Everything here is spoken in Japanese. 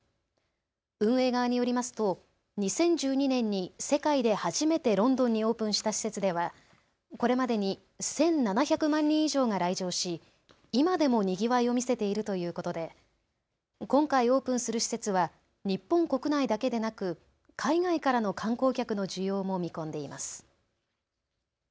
運営側によりますと２０１２年に世界で初めてロンドンにオープンした施設ではこれまでに１７００万人以上が来場し今でもにぎわいを見せているということで今回オープンする施設は日本国内だけでなく海外からの観光客の需要も見込んでいます。